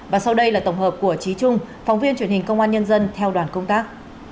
và sau đây là tổng hợp của trí trung phóng viên truyền hình công an nhân dân theo đoàn công tác